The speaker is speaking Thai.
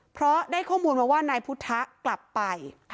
เพราะได้ข้อมูลมาว่านายพุทธะกลับไป